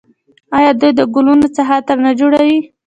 آیا دوی د ګلونو څخه عطر نه جوړوي؟